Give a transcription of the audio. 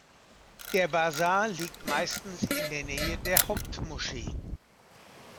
Der Basar liegt meistens in der Nähe der Hauptmoschee.